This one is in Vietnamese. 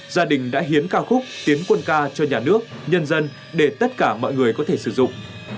gia đình đã hiến ca khúc tiến quân ca cho nhà nước nhân dân để tất cả mọi người có thể sử dụng